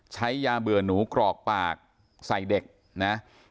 ใช้ยาเบื่อหนูกรอกปากใส่เด็กนะ